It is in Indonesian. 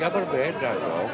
ya berbeda dong